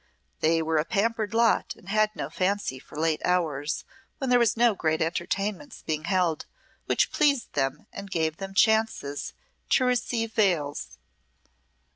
They were a pampered lot, and had no fancy for late hours when there were no great entertainments being held which pleased them and gave them chances to receive vails.